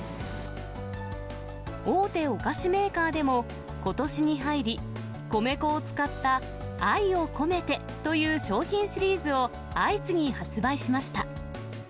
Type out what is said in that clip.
大手お菓子メーカーでも、ことしに入り、米粉を使った愛をコメてという商品シリーズを相次ぎ発売しました。